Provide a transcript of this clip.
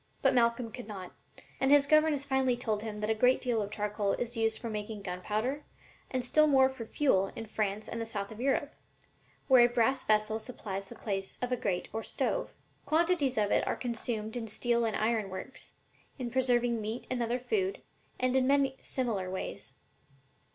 But Malcolm could not think, and his governess finally told him that a great deal of charcoal is used for making gun powder, and still more for fuel in France and the South of Europe, where a brass vessel supplies the place of a grate or stove. Quantities of it are consumed in steel and iron works, in preserving meat and other food, and in many similar ways.